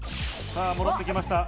さぁ戻ってきました。